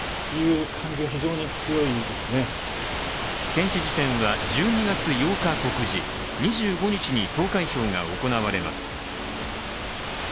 県知事選は１２月８日告示２５日に投開票が行われます。